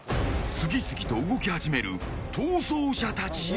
次々と動き始める逃走者たち。